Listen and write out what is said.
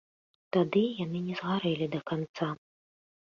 Тады яны не згарэлі да канца.